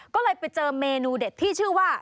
ก็เลยไปเจอเมนูเด็ดที่ชื่อว่า